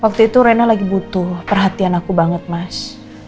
waktu itu rena lagi butuh perhatian aku banget mas